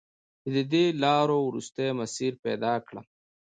چې د دې لارو، وروستی مسیر پیدا کړم